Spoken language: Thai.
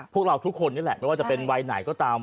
พวกเราทุกคนนี่แหละไม่ว่าจะเป็นวัยไหนก็ตาม